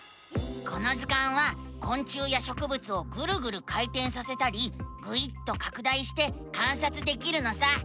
この図鑑はこん虫やしょくぶつをぐるぐる回てんさせたりぐいっとかく大して観察できるのさ！